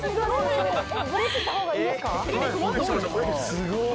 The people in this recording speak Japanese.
すごーい！